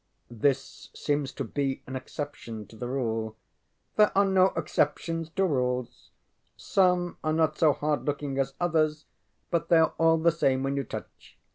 ŌĆØ ŌĆ£This seems to be an exception to the rule. ŌĆØ ŌĆ£There are no exceptions to rules. Some are not so hard looking as others, but they are all the same when you touch.